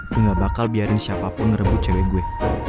gue gak bakal biarin siapapun ngerebut cewek gue